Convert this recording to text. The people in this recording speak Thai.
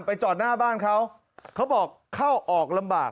จอดหน้าบ้านเขาเขาบอกเข้าออกลำบาก